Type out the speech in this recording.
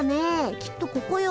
きっとここよ。